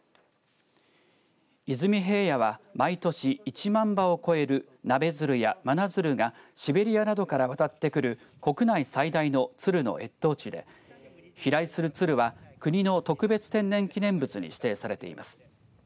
出水平野は、毎年１万羽を超えるナベヅルやマナヅルがシベリアなどから渡ってくる国内最大の鶴の越冬地で、飛来する鶴は国の特別天然記念物に指定されています。